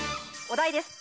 お題です